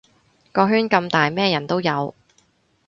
個圈咁大咩人都有